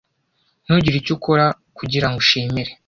Ntugire icyo ukora kugirango ushimire